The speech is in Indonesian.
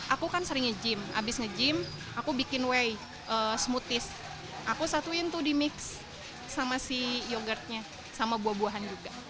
aku kan sering nge gym abis nge gym aku bikin way smoothies aku satuin tuh di mix sama si yogurtnya sama buah buahan juga